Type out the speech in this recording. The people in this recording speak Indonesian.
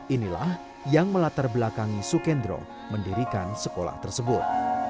inilah yang melatar belakangi sukendro mendirikan sekolah tersebut